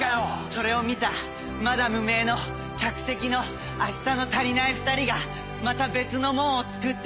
それを見たまだ無名の客席の明日のたりないふたりがまた別のもんを作って。